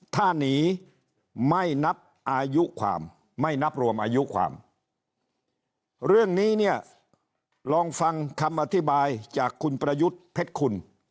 ถ้าหนีไม่นับอายุความไม่นับรวมอายุความเรื่องนี้เนี่ยลองฟังคำอธิบายจากคุณประยุทธ์เพชรคุณ